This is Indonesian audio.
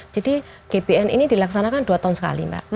jadi gpn ini dilaksanakan dua tahun sekali mbak